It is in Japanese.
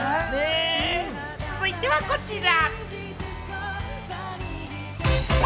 続いてはこちら！